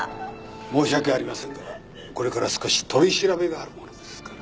申し訳ありませんがこれから少し取り調べがあるものですから。